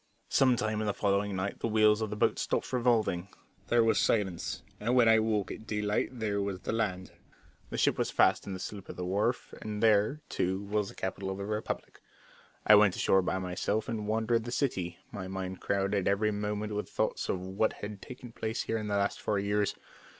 Some time in the following night the wheels of the boat stopped revolving there was silence; and when I woke at daylight there was the land. The ship was fast in the slip at the wharf, and there, too, was the capital of the republic. I went ashore by myself and wandered into the city, my mind crowded every moment with the thoughts of what had taken place here in the last four years.